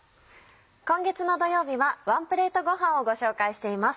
今月の土曜日はワンプレートごはんをご紹介しています。